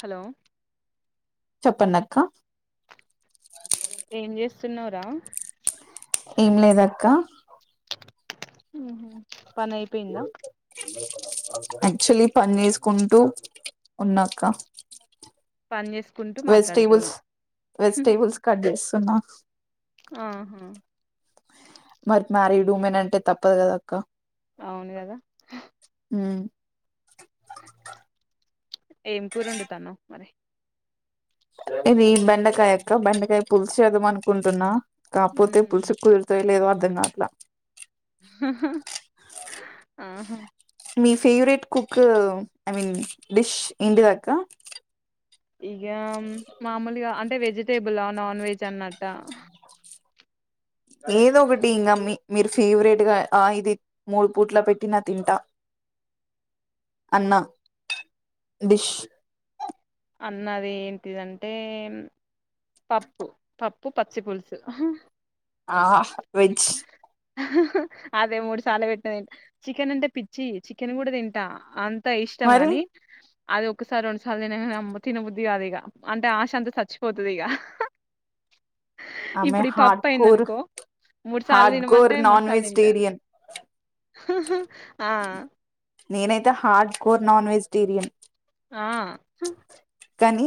Hello చెప్పండి అక్క ఏం చేస్తున్నావు రా ఏం లేదక్క హ్మ్ హు పని అయిపోయిందా యాక్చువలీ పని చేసుకుంటూ ఉన్నక్క పని చేసు వెజిటేబుల్స్ వెజిటేబుల్స్ కడచేస్ త్తన్నా ఆహా మరి మ్యారీడ్ ఉమెన్ అంటే తప్పదు కదక్క అవును కదా ఉం ఏం కూరొండుతనవ్ మరి ఇది బెండకాయ అక్క బెండకాయ పులుసేదమనుకుంటున్నా కాపోతే ఉమ్ పుల్స్ కు ఏ లేవర్ద్దన్న అట్లా ఆహా మీ favourite cook I mean dish ఏంటిదక్క ఇగ మామూలుగా అంటే వెజిటేబులా నాన్ వెజ్ అన్నట్ట ఏదో ఒకటి ఇంగమ్మి మీరు ఫేవరెట్ గా ఇది మూడు పూట్ల పెట్టిన తింటా అన్నా డిష్ అన్నది ఏంటిదంటే పప్పు పప్పు పచ్చి పులుసు ఆ వెజ్ అదే మూడు సార్ల పెట్టిన తింట చికెన్ అంటే పిచ్చి చికెన్ కూడా తింటా అం ఇష్టం మరి గాని అది ఒకసారి రెండుసార్లు తినంగానే తినబుద్ధది కాదు ఇగ అంటే ఆశ అంత చచ్చిపోతుంది ఇగ ఆమె ఇప్పుడు ఈ హట్ పప్పు కోర్ అయిందనుకో మూడు సార్లు హార్డ్ కోర్ తినమంటే నాన్ మూడుసార్లు తింటే వెజిటేరియన్ ఆ నేనైతే హార్డ్ కోర్ నాన్ వెజిటేరియన్ ఆ కానీ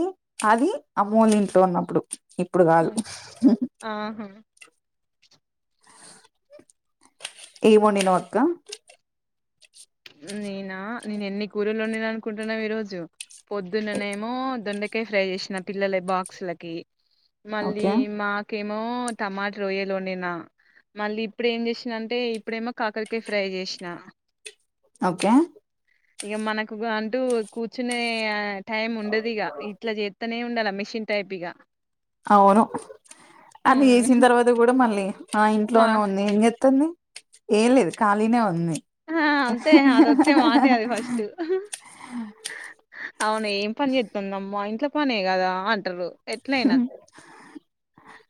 అది అమ్మోళ్ల ఇంట్లో ఉన్నప్పుడు ఇప్పుడు కాదు ఆహా ఏమొండి నవ్ అక్క నేనా నేను ఎన్ని కూరల్లోండిన అనుకుంటున్నావ్ ఈ రోజు పొద్దుననేమో దొండ కాయ్ ఫ్రై చేసిన పిల్లల బక్స్ లకి మళ్ళీ ఓకే మా ఏమో టమాట వొయ్యలోండినా మళ్ళీ ఇప్పుడు ఏం చేసిన అంటే ఇప్పుడేమో కాకరకాయ ఫ్రై చేసినా ఓకే ఇక మనకుగా అంటూ కూర్చునే టైమ్ ఉండదిగా ఇట్లా చేత్తనే ఉండాల మెషిన్ టైప్ ఇగ అవును. అది హ్మ్. ఏసిన్ తర్వాత కూడా మళ్ళీ. ఆ మా ఇంట్లోనే ఉంది ఏం చేత్తుంది. ఏం లేదు కాలినే వుంది. ఆ అంతే అది వచ్చే మాటే అది ఫస్ట. అవును ఏం పని చేతుందమ్మా ఇంట్ల. పనే కదా అంటరూ. ఎట్లైనా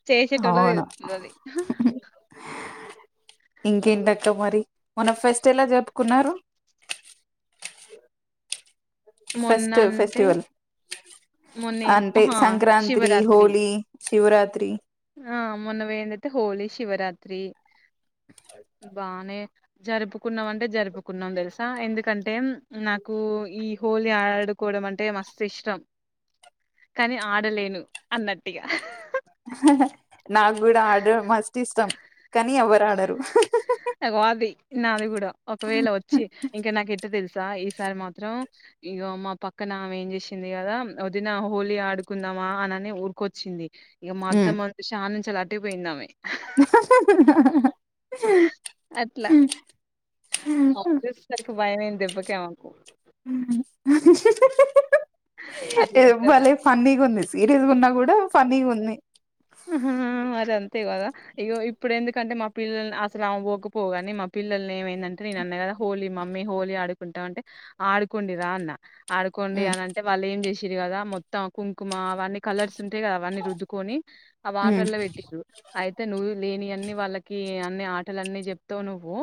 చేసేటోళ్లకు అవును తెలుస్తది అది. ఇంకేంటక్క మరి. మొన్న ఫెస్ట్ ఎలా జరప్ కున్నారు. మొన్న ఫెస్ట్ అంటే ఫెస్టివల్. మొన్నేం అంటే ఆహా సంక్రాంత్రీ, శివరాత్రి హోలీ శివరాత్రి. ఆ మొన్న పోయిందైతే హోలీ, శివరాత్రీ. బానే జరుపుకున్నాం అంటే జరుపుకున్నాం తెలుసా. ఎందుకంటే, నాకు ఈ హోలీ ఆడుకోవడం అంటే మస్తు ఇష్టం. కానీ ఆడలేను అన్నట్టుగా. నాకు గూడా ఆడడం మస్స్త్ ఇష్టం. కానీ ఎవరు ఆడరు. అగో అది నాది కూడా ఆ ఈసారి మాత్రం ఇగో మా పక్కన ఆమె ఏం చేశింది కదా, వదినా హోలీ ఆడుకుందామా అనని ఊరుకొచ్చింది. ఇగ మా ఉమ్ అత్తమ్మన్ చూశి ఆడ్నుంచెలి అట్ టే పోయిందామె. అట్లా మా అత్తను చూసేసరికి భయమయింది దెబ్బకే ఆమెకు. అట్లుంటది బలే ఫన్నీగుంది సీరియస్ గా ఉన్నా కూడా ఫన్నీగుంది. ఆహా మరి అంతే కదా. ఇగో ఇప్పుడు ఎందుకంటే మా పిల్లల్ని అసలు ఆమె పోకపోవుగాని మా పిల్లల్ని ఏమై దంటే నేనన్న గదా హోలీ మామ్ మ్మీ హోలీ ఆడుకుంటాం అంటే, ఆడుకోండిరా అన్న. ఆడుకోండి ఉమ్ అని అంటే వాళ్ళేం చేశి రి గదా. మొత్తం ఆ కుంకుమ అవన్నీ కలర్స్ ఉంటయి కదా అవన్నీ రుద్దుకొనీ. ఆ ఉమ్ వాటర్ల పెట్టింరు అయితే నువు లేనియ్ అన్నీ వాళ్ళకీ అన్ని ఆటలన్నీ చెప్తవు నువ్వూ.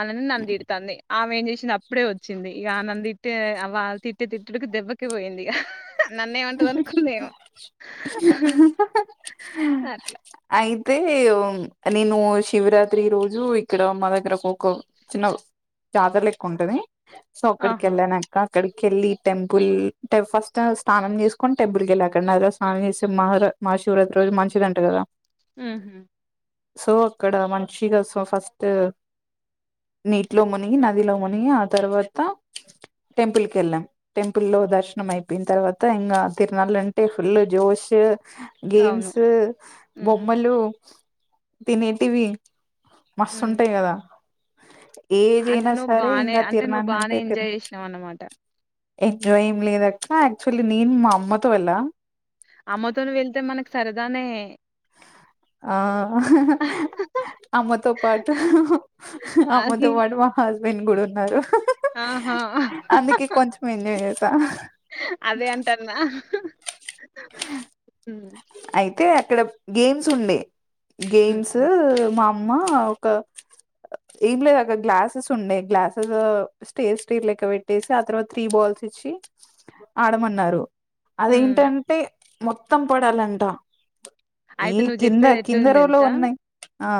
అనని నన్ను తిడుతాందీ. ఆమె ఏం చేశింది అప్పుడే వచ్చింది. ఇగా ఆమెన్ తిట్టే వాళ్ తిట్టే తిట్టుడుకి దెబ్బకే పోయింది ఇగ. నన్నేం అంటది అనుకుందేమో. అట్ల యితే ఓం నేనూ శివరాత్రి రోజూ ఇక్కడ మా దగ్గర ఒక ఒక చిన్న జాతర లెక్క ఉంటదీ. సొక్కడికి ఆహా వెళ్ళాను అక్క క్కడికి వెళ్లి టెంపుల్ టె ఫస్ట ఆ తానం చేసుకొని టెంపుల్ వెళ్ళ అక్కడ నది స్నానం చేసే మహ మహాశివరాత్రి మంచిదిదంట కదా హ్మ్ హు సో అక్కడ మంచిగా సో ఫస్ట్ నీటిలో మునిగి నదిలో మునిగి ఆ తర్వాత టెంపుల్ కెళ్ళాం టెంపుల్ లో దర్శనం అయిపోయిన తర్వా త ఇంగ తిరునాలు అంటే ఫుల్లు జోష్ అవును. గేమ్స్ హ్మ్. బొమ్మలు తినేటివి మస్తు హ్మ్. ఉంటాయి కదా ఏజ్ అంటే అయినా నువ్వు సరే బానే ఇంకా అంటే నువ్వు తిరునాళ్ళు బానే ఎంజాయ్ చేసినావ్ అన్నమాట ఎటు ఏం లేదక్క క్చువల్లీ నేను మా అమ్మతో వెళ్ళ అమ్మతోని వెళ్తే మనకు సరదానే ఆ అమ్మతో పాటు అమ్మతో అది. పాటు మా హస్ వెన్ కూడా ఉన్నారు ఆహా అందుకే కొంచెం ఎంజాయ్ చేసా అదే అంటన్నా ఊ అయితే అక్కడ గేమ్స్ ఉండే గేమ్స్ హ్మ్. మామ్ మా ఒక ఏం లేదు అక్క గ్లాసెస్ ఉండే గ్లాసెస్ స్టేర్ స్టీర్ లెక్క పెట్టేసి ఆ తర్వాత త్రీ బాల్స్ ఇచ్చి ఆడమన్నారు అది హ్మ్. ఏంటంటే మొత్తం పడాలన్ ట ఈ అయితే నువ్వు కింద జెప్పేది కింద ఎట్లుంది రోలో ఉన్నాయి ఆ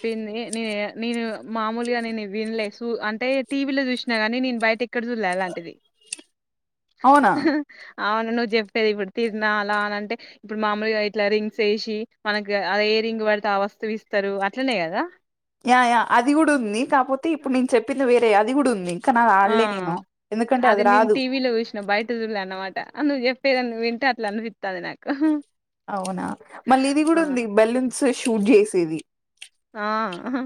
చప్పింది నేనే నేను మామూలుగా నేను వినలే హూ అంటే టీ వీ లో చూసినా గానీ నేను బయట ఎక్కడ చూడలే అలాంటిది అవునా అవును నువ్వు చెప్పేది ఇప్పుడు తిరునాల అలా అంటే ఇప్పుడు మామూలుగా అయి ఇట్లా రింగ్స్ ఏసి మనకు అ ఏ రింగ్ పడితే ఆ వస్తువు ఇస్తారు అట్లనే కదా యా యా అది కూడా ఉంది కాకపోతే ఇప్పుడు నేను చెప్పింది వే టే అది గూడుంది ఆ అది నేను రాదు టీవీలో చూసినా బయట చూలే అన్నమాట నువ్వు చెప్ పేరని వింటే అట్లా అనిపిస్తుంది నాకు అవునా మళ్ళీ ఇది ఆ కూడా ఉంది బెలూన్స్ షూట్ చేసేది అ హ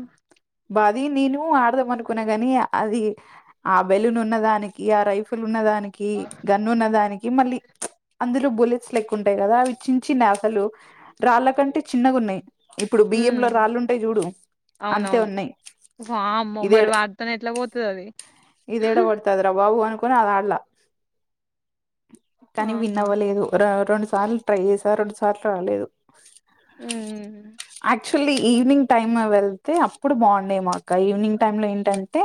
అది నేను ఆడదాం అనుకున్నా గాని అది ఆ బెలూన్ ఉన్నదానికి ఆ రైఫుల్ ఉన్నదా, మనకి గన్ను ఉన్న దానికి మళ్ళీ అందులో బుల్లెట్స్ లెక్కుంటాయ్ కదా అవి చిన్ చిన అసలు రాళ్ళ కంటే చిన్నగున్నయ్ ఇప్పుడు బియ్యం హ్మ్ లో రాళ్ళుంటయ్ జూడు అం అవునవును వామ్మో మరి వాడితోనే ఎట్లా పోతది అది పోనీ అది ఆడలా కానీ విన్ ఆహా అవ్వలేదు రొ రొండు సార్లు ట్రై చేసా రొండు సార్ పాట్ట్ రాలేదు హ్మ్ హ్మ్. అట్ చ్చ్వలీ ఈవినింగ్ టైమ వెళ్తే అప్ ప్పుడు బాగుండేమో అక్క ఈవినింగ్ టైమ్ లో ఏంటంటే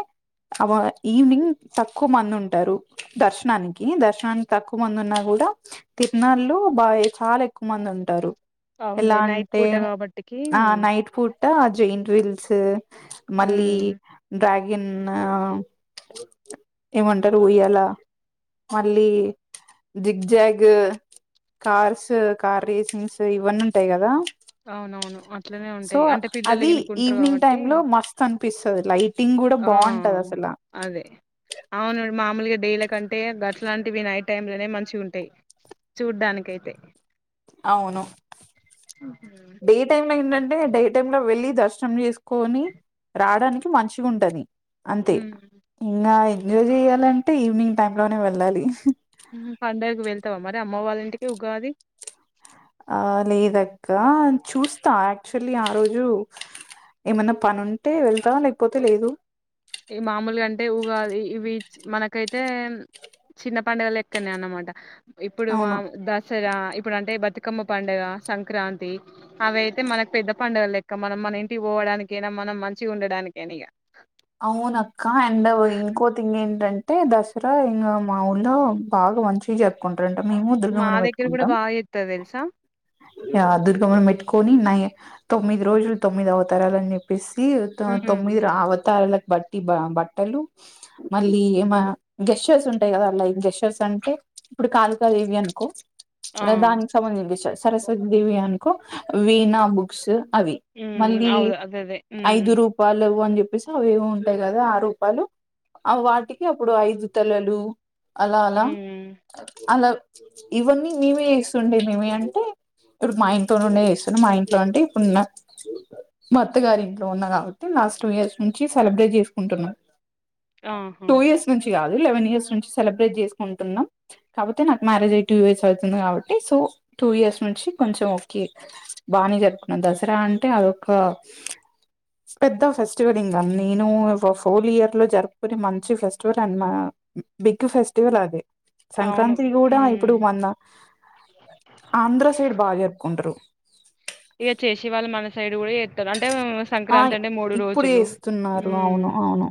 అవ ఈవినింగ్ తక్కువ మంది ఉంటారు, దర్శనానికి దర్శనానికి తక్కువ మంది ఉన్నా కూడా తిరునాళ్లు బాగా చాలా ఎక్కువ మంది ఉంటారు. ఎలా అవునులే నైట్ అంటే పూట కాబట్టికి ఆ జెయింట్ విల్స్ [unintelligible] మళ్ళీ హ్మ్. డ్రాగిన్ ఏమంటారు ఊయ్యాల, మళ్ళీ zig zag, cars, car racings ఇవన్నీ ఉంటయ్ గదా, అవున అవును అ సో అది ఈవినింగ్ టైమ్ లో మస్తు అన్ పిస్సదు లై ఆ అదే అవును మామూలుగ డేల కంటే గట్లాంటివి నైట్ టైమ్ లోనే మంచిగుంటయ్ చూడ్డానికైతే అవును హ్మ్ డే టైమ్ లో ఏందంటే డే టైమ్ లో వెళ్ళి ద ర్శనం చేసుకోని రాడానికి మంచిగుంటది అంతే ఇంగా ఎంజాయ్ చేయ్యాలంటే ఈవినింగ్ టైంలోనే వెళ్ళాలి మ్మ్ పండగకు వెళ్తవా మరి అమ్ మ్మ వాళ్ళ ఇంటికి ఉగాది ఆ లేదక్క చూస్తా యాక్చువల్లీ ఆ రోజు ఏమన్నా పని ఉంటే వెళ్తా లేకపోతే లేదు. ఇగ మాములుగా అంటే ఉగాది ఇవి చ్ మనకైతే చిన్న పండుగలెక్కనే అన్నమాట. ఇప్పుడు అవును మాం దస్ స్సరా ఇప్పుడు అంటే బతుకమ్మ పండుగ సంక్రాంతి అవి అయితే మనకు పెద్ద పండుగ లెక్క, మనం మన ఇంటికి పోవడానికైనా మనం మంచిగా ఉండడానికైనా ఇగ, అవును అక్క అండ్ ఇంకో థింగ్ ఏంటంటే తే దసరా ఇంగా మా ఊళ్ళో బాగా మంచిగా జరుపుకుం మేము మా దుర్గమ్మని దగ్గర కూడా పెట్టుకుంటాం, బాగా చేత్తరు తెలుసా ఆ దుర్గమ్మను పెట్టుకోని నై తొమ్మిది రోజులు తొమ్మిదివతాలనిప్పే హ్మ్. తొమ్మిది రా ఆవత్ బట్టి బ బట్టలు మళ్ళీ ఏమ గెస్ర్స్ ఉంటాయి కదాలైక్ గెస్ర్స్ అంటే ఇప్పుడు కాలుకాదేవి అనుకో మ ఆ దాని సంబంధ విషయ సరస్వతి దేవి అనకో వీణ బుక్స్ అవి మళ్ళీ ఐదు రూపాయలు వ చె అవి ఉంటాయి కదా ఆ రూపయలు వాటికి అప్పుడు ఐదు తలలు అలా అలా అలా ఇవన్నీ మేమే చేస్తుండే మేమే అంటే ఇప్పుడు మా ఇంట్ నుండే చేస్తుాం మా ఇంట్లో అంటే ఇప్పుడున్న అత్త గారి ఇంట్లో ఉన్నా కాబట్టి లాస్ట్ టూ ఇయర్స్ నుంచి సెలబ్రేట్ చేసుకుంటున్నారు ఆహా కాపో నా మ అందిబట్టి ఇ కొంచ బ జ అ అ ఫెస్టివల్ ఇంకా నేను హోల్ ఇయర్ లో జరుపుకునే మంచి ఫెస్టివల్ అంమా బిగ్ ఫెస్టివల్ అదే సంక్రాంతి కూడా అవును. ఇప్పుడు మన్న ఆంధ్ర సైడ్ బాగా జరుపుకుంటారు ఇగ చేేశి వాల్ మన సైడ్ కూడా చెత్తరు అంటే ఆ సంక్రాంతి అంటే మూడు ఇప్పుడు రోజులు చేస్తున్నారు మ్మ్ అవును అవును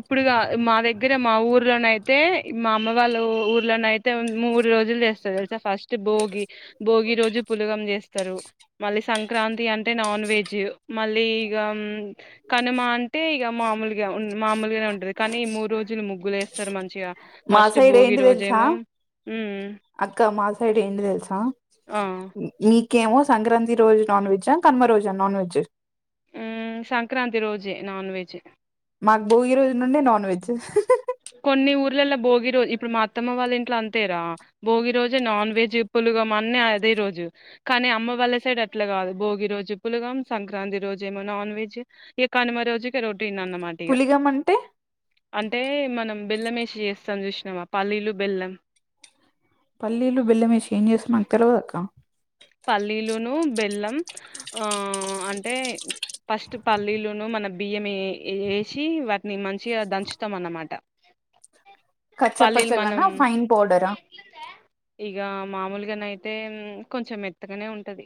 ఇప్పుడుగా మా దగ్గర దగ్గర మా ఊర్లోన అయితే మా అమ్మ వాళ్ళు ఊర్లోన అయితే మూడు రోజులు చేస్తది [unintelligible] త ఫస్ట్ భోగి భోగి రోజు పులగం చేస్ తరు మళ్ళీ సంక్రాంతి ఇగ అంటే నాన్ వెజ్ మళ్ళీ ఇగ కనుమ అంటే ఇక మామూలుగా ఉన్ మామూలుగానే ఉంటది కానీ మూడు రోజులు ముగ్గులు వేస్తారు మంచిగా మా ఫస్ట్ సైడ్ భోగి ఏంటి తెలుసా రోజేమో మ్మ్ అక్క మా సైడ్ ఆ కెమో సంక్రాంతి రోజు నాన్ వెజ కనుమ రోజా నాన్ వెెజ్ మ్మ్ సంక్రాంతి రోజే నాన్ వెజ్ మాకు భోగి రోజు నుండే నాన్ వెజ్ కొన్ని ఊర్లలో భోగి రోజు ఇప్పుడు మా అత్తమ్మ వాళ్ళ ఇంట్లో అంతేరా భోగి రోజే నాన్ వెెజ్ పులగం అన్ని అదే రోజు కానీ అమ్మ వాళ్ళ సైడ్ అట్ల కాదు భోగి రోజు పులగం సంక్రాంతి రోజేమో నాన్ వెెజ్ ఇక కనుమ రోజుక రో టెంది అన్నమాట ఇగ పులిగం అంటే అంటే మనం బెల్లం ఏసి చేస్తాం చూసినామా పల్లీలు బెల్లం పల్లీలు బెల్లం ఏం చేస్తాం అంటరు కదక్క పల్లీలును బెల్లం ఆ అంటే ఫస్ట్ పల్లీలును మన బియ్యం ఏ ఏ వేసి వాటిని మంచిగా దంచుతాం అన్నమాట కచ్చ పల్లీలు పచ్చగానా ఫైన పౌడరా ఇగ మామూలుగానయితే కొంచెం ఎ మేత్తగానే ఉంటది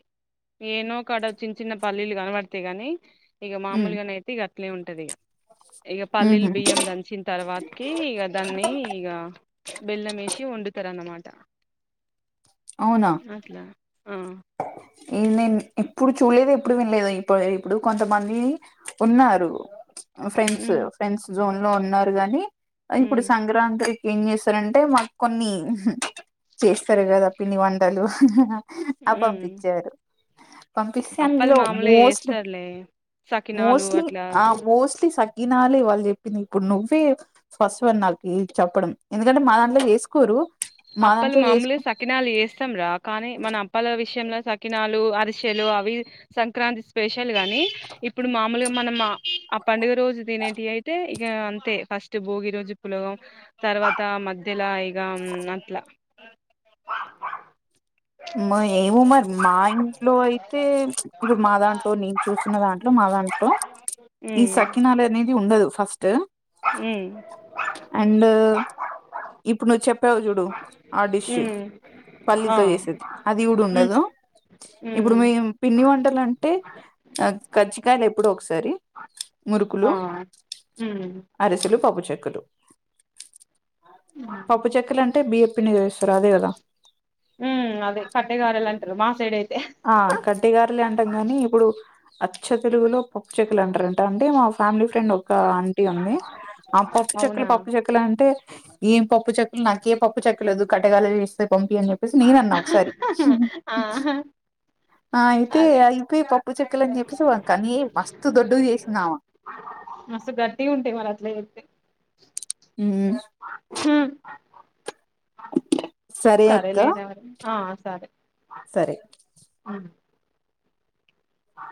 ఏనో కాడ చిన్న చిన్న పల్లీలు కనబడతాయి గాని ఈక ఉమ్ మామూలుగాన యితి గ అట్లే ఉంటది ఇ ఇక పల్లీలు ఉహు బియ్యం దంచిన తర్వాతకి ఇక దాన్ని ఇక బెల్లమేసి వండుతారన్నమాట అట్లా ఆ ఏమి నేను ఎప్పుడు చూడలేదు, ఎప్పుడు వినలేదు ఇప్పు ఇప్పుడు కొంతమంది ఉన్నారు ఫ్రెండ్సు ఉమ్ ఫ్రెండ్స్ జోన్ లో ఉన్నారు గాని ఇప్పుడు ఉమ్ సంగ్రాంతి ఏం చేస్తారంటే మాకు కొన్ని చేస్తారు కదా పిండి వంటలు ఆ ఉమ్ పంపించారు పంపిస్తే అప్పలు అందులో మామూలుగా మోస్ట్లీ చేస్తారులే సకినాలు మోస్ట్లీ అట్లా ఆ మోస్ట్లీ సక్కినాలే వాళ్ళు చెప్పింది ఇప్పుడు నువ్వే ఫస్ట్ వన్ నాకి చెప్పడం ఎందుకంటే మా దాంట్లో చేసుకోరు మా అప్పలు దాంట్లో చేసుకో మామూలే సక్కినాలు చేస్తాం రా కానీ మన అప్పాల విషయంలో సక్కినాలు, అరిసెలు అవి సంక్రాంతి స్పెషల్ గానీ ఇప్పుడు మామూలుగా మనం ఆ పండుగ రోజు తినే గియయితే ఇక అంతే ఫస్ట్ భోగి రోజు పులగం తర్వాత మధ్యలో ఇగా మ్మ ఏమో మరి మా ఇంట్లో అయితే ఇప్పుడు మా దాంట్లో నేను చూస్తూన్న దాంట్లో మా దాంట్లో ఈ ఉమ్ సక్కినాలు అనేది ఉండదు ఫస్ట్ ఉమ్ అండ్ ఇప్పుడు నువ్వు చెప్పావు చూడు ఆ డిష్ ఉమ్ ఆ పల్లీతో చేసింది అది కూడ ఉమ్ ఉండదు. ఉమ్ ఇప్పుడు మేమ్ పిండి వంటలు అంటే కజ్జికాయలు ఎప్పుడో ఒకసారి మురుకులు, ఆ ఉమ్ అరిసె పప్పు చెక్కలు పప్పు చెక్కలు అంటే బియ్య పిండి తో చేస్తారు అదే కదా మ్మ్ అవ్ ఆ కట్టెగారేలే అంటాం కానీ ఇప్పుడు అచ్చ తెలుగులో పప్ చెక్కలు అంటారంట అంటే మా ఫ్యామిలీ ఫ్రెండ్ ఒక ఆంటీ ఉంది ఆ పప్పు చెక్కలు అవునా పప్పు చెక్కలు అంటే ఏం పప్పు చెక్కులు నాకు ఏ పప్పు చెక్కులేదు కట్టెగారెలు చేస్తే పంపి అని చెప్ సి నేనన్నా ఒకసారి ఆ ఆ అయితే అదే అయిపోయి ఉప్పు చెక్కలుని చెప్పేసి కనీ మస్తు దండోరా చేసిందామె మస్తు గట్టిగా ఉంటాయి మరి అట్లా చేస్తే మ్ సరే లేరా ఆ సరే సరే అవును ఆ